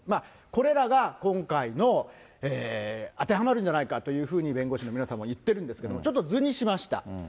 これらが今回の、当てはまるんじゃないかというふうに弁護士の皆さんは言ってるんですけれども、ちょっと図にしました。